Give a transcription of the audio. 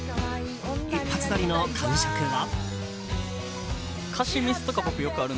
一発撮りの感触は？